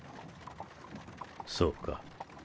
そうか。